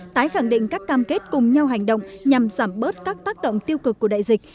tái khẳng định các cam kết cùng nhau hành động nhằm giảm bớt các tác động tiêu cực của đại dịch